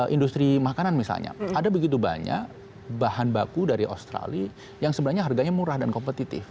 industri makanan misalnya ada begitu banyak bahan baku dari australia yang sebenarnya harganya murah dan kompetitif